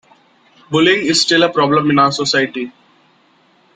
Bullying is still a problem in our society.